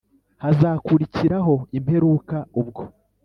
Hazakurikiraho imperuka ubwo